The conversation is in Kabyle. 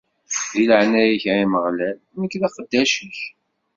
Di leɛnaya-k, ay Ameɣlal, nekk, d aqeddac-ik!